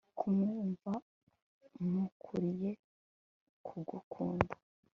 kumwumva, umukurikire kugukunda